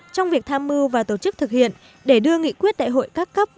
trong việc tham mưu và tổ chức thực hiện để đưa nghị quyết đại hội các cấp